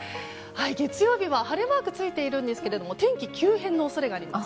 月曜日は晴れマークついているんですが天気急変の恐れがあります。